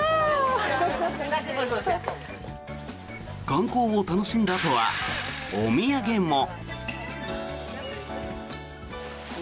観光を楽しんだあとはお土産も。